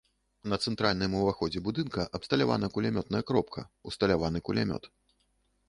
На цэнтральным ўваходзе будынка абсталявана кулямётная кропка, усталяваны кулямёт.